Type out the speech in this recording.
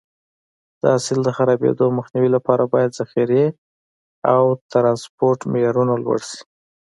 د حاصل د خرابېدو مخنیوي لپاره باید ذخیره او ټرانسپورټ معیارونه لوړ شي.